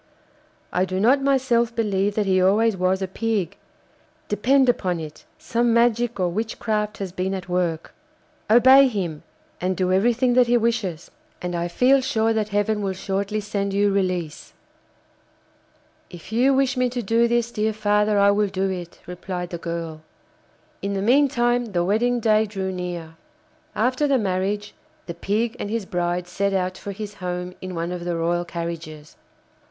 I do not myself believe that he always was a pig. Depend upon it some magic or witchcraft has been at work. Obey him, and do everything that he wishes, and I feel sure that Heaven will shortly send you release.' 'If you wish me to do this, dear father, I will do it,' replied the girl. In the meantime the wedding day drew near. After the marriage, the Pig and his bride set out for his home in one of the royal carriages.